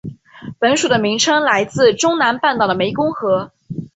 本属的名称来自中南半岛的湄公河。